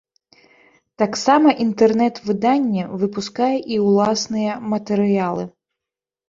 Таксама інтэрнэт-выданне выпускае і ўласныя матэрыялы.